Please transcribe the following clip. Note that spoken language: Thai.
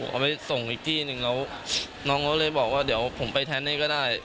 เอาไปส่งอีกที่หนึ่งแล้วน้องเขาเลยบอกว่าเดี๋ยวผมไปแทนให้ก็ได้